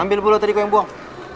ambil dulu tadi kok yang buang